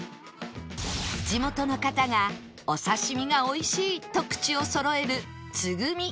地元の方が「お刺し身が美味しい」と口をそろえるツグミ